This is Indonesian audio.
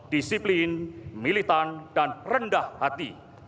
disiplin militan dan rendah hati